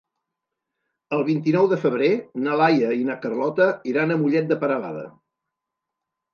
El vint-i-nou de febrer na Laia i na Carlota iran a Mollet de Peralada.